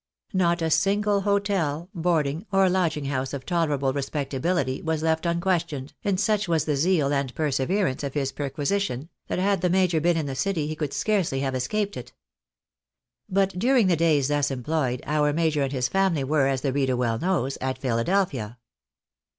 Not a single hotel, boarding, or lodging house of tolerable respectability was left un questioned, and such was the zeal and perseverance, of his perqui sition, that had the major been in the city he could scarcely have escaped it. But during the days thus employed, our major and his faimly were, as the reader well knows, at Philadelphia.